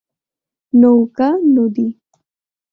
নৌকা, নদী।